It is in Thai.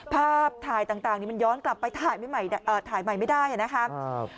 ภาพถ่ายต่างนี่มันย้อนกลับไปถ่ายใหม่ไม่ได้นะครับ